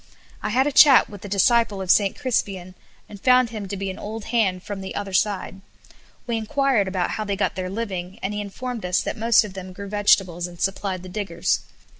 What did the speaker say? I had a chat with the disciple of St. Crispian, and found him to be an old hand from the other side. We enquired how they got their living, and he informed us that most of them grew vegetables, and supplied the diggers.